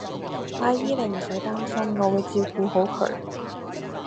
阿姨你唔使擔心，我會照顧好佢